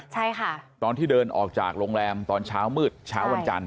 ใช่ค่ะตอนที่เดินออกจากโรงแรมตอนเช้ามืดเช้าวันจันท